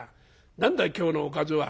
何だい今日のおかずは？」。